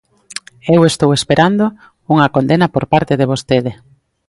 Eu estou esperando unha condena por parte de vostede.